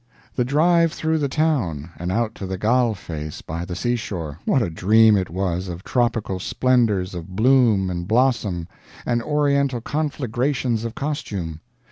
The drive through the town and out to the Galle Face by the seashore, what a dream it was of tropical splendors of bloom and blossom, and Oriental conflagrations of costume!